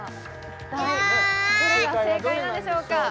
一体どれが正解なんでしょうか